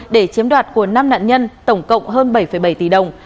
để chiếm đoạt của năm nạn nhân tổng cộng hơn bảy bảy tỷ đồng